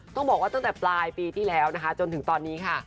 ต้องบอกว่าตั้งแต่ปลายปีที่แล้วนะคะจนถึงตอนนี้ค่ะ